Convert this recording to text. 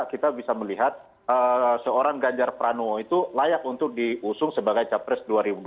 kita bisa melihat seorang ganjar pranowo itu layak untuk diusung sebagai capres dua ribu dua puluh